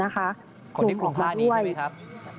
คนที่คลุมผ้านี้ใช่ไหมครับ